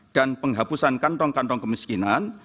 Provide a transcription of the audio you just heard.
dan penghabusan kantong kantong kemiskinan